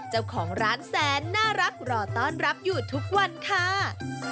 เจ้าของร้านแสนน่ารักรอต้อนรับอยู่ทุกวันค่ะ